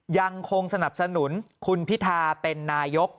ยังคงสนับสนุนคุณพิธาเป็นนายก